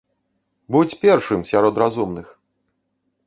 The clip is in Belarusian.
Будзь першым сярод разумных!